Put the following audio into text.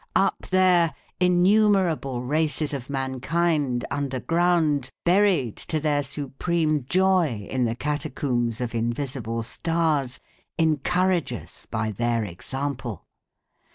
Up there innumerable races of mankind under ground, buried, to their supreme joy, in the catacombs of invisible stars, encourage us by their example.